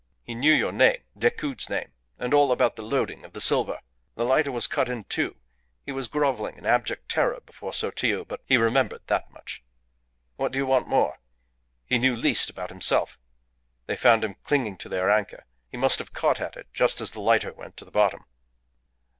He knew your name, Decoud's name, and all about the loading of the silver. ... The lighter was cut in two. He was grovelling in abject terror before Sotillo, but he remembered that much. What do you want more? He knew least about himself. They found him clinging to their anchor. He must have caught at it just as the lighter went to the bottom."